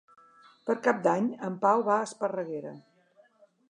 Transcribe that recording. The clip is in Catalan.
Per Cap d'Any en Pau va a Esparreguera.